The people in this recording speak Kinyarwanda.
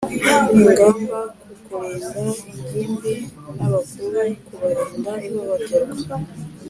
ingamba kukurinda ingimbi n abakuru kubarinda ihohoterwa